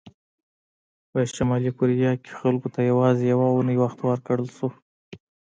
په شلي کوریا کې خلکو ته یوازې یوه اونۍ وخت ورکړل شو.